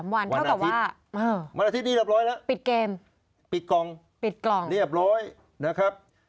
วันเท่ากับว่าวันอาทิตย์นี้เรียบร้อยแล้วปิดเกมปิดกล่องปิดกล่องเรียบร้อยนะครับ